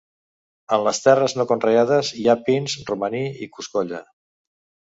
En les terres no conreades hi ha pins, romaní i coscolla.